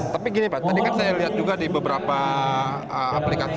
tapi gini pak tadi kan saya lihat juga di beberapa aplikasi